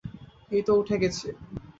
এইতো উঠে গেছি।